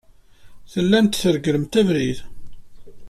Tellamt tregglemt abrid.